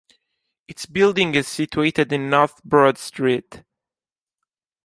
Its building is situated in North Broad street.